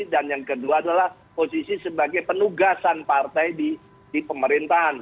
dan yang kedua adalah posisi sebagai penugasan partai di pemerintahan